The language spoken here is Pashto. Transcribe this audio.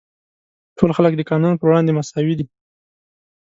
ټول خلک د قانون پر وړاندې مساوي دي.